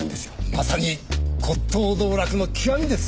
まさに骨董道楽の極みです！